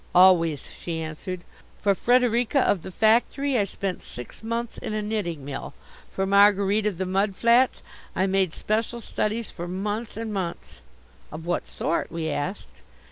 "Always," she answered. "For Frederica of the Factory I spent six months in a knitting mill. For Marguerite of the Mud Flats I made special studies for months and months." "Of what sort?" we asked.